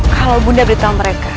kalau bunda beritahu mereka